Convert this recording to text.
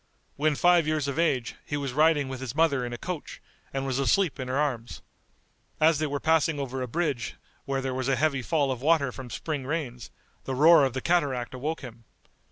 When five years of age, he was riding with his mother in a coach, and was asleep in her arms. As they were passing over a bridge where there was a heavy fall of water from spring rains, the roar of the cataract awoke him.